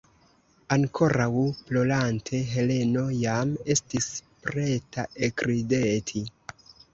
Ankoraŭ plorante, Heleno jam estis preta ekrideti.